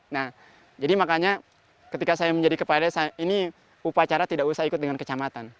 nah jadi makanya ketika saya menjadi kepala desa ini upacara tidak usah ikut dengan kecamatan